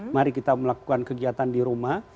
mari kita melakukan kegiatan di rumah